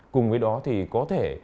cùng với đó thì có thể